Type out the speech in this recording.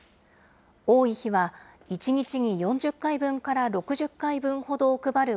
多い日は１日に４０回分から６０回分ほどを配る